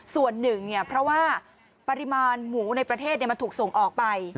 ส่วนหนึ่งเพราะว่าปริมาณหมูในประเทศมันถูกส่งออกไป